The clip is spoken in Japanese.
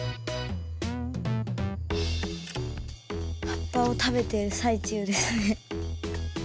葉っぱを食べてる最中ですね。